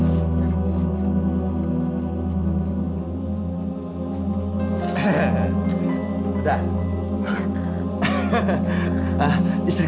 kau apa kan istriku